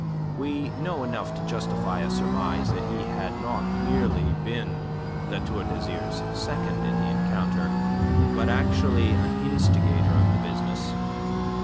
We know enough to justify a surmise that he had not merely been La Tour d'Azyr's second in the encounter, but actually an instigator of the business.